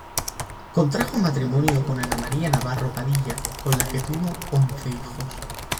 Contrajo matrimonio con Ana María Navarro Padilla, con la que tuvo once hijos.